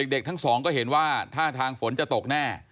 เด็ก๒ก็เห็นว่าถ้าทางฝนจะตกแน่